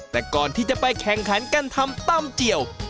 แต่ก่อนที่จะไปแข่งขันการทำตำเจียว